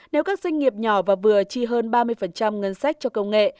nếu các doanh nghiệp nhỏ và vừa chi hơn ba mươi ngân sách cho công nghệ